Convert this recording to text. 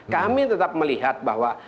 kami tetap melihat bahwa